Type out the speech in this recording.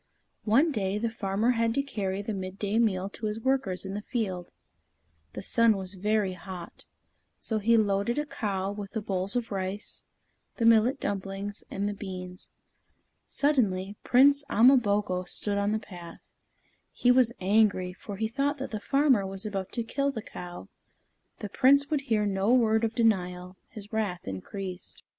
One day, the farmer had to carry the midday meal to his workers in the field. The sun was very hot, so he loaded a cow with the bowls of rice, the millet dumplings, and the beans. Suddenly, Prince Ama boko stood in the path. He was angry, for he thought that the farmer was about to kill the cow. The Prince would hear no word of denial; his wrath increased.